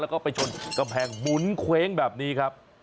แล้วก็ไปชนกำแพงหมุนเคว้งแบบนี้ครับ